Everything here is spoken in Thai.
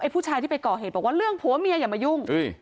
ผู้ชายที่ไปก่อเหตุบอกว่าเรื่องผัวเมียอย่ามายุ่ง